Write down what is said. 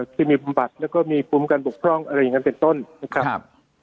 ที่มีประบัติแล้วก็มีภูมิกันบกพร่องอะไรอย่างนั้นเป็นต้นนะครับครับ